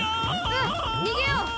うわっにげよう！